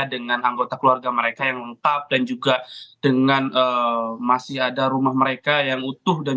dengan anggota keluarga mereka yang lengkap dan juga dengan masih ada rumah mereka yang utuh